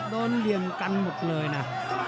โดนเรียงกันหมดเลยนะ